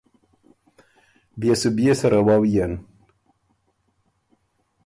بيې سو بيې سَرَه وؤيېن۔